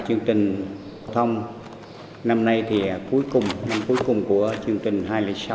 chương trình phổ thông năm nay thì cuối cùng năm cuối cùng của chương trình hai trăm linh sáu